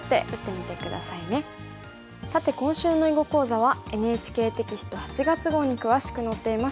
さて今週の囲碁講座はＮＨＫテキスト８月号に詳しく載っています。